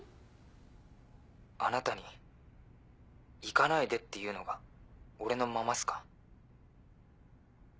あなたに「行かないで」って言うのが俺のままっすか？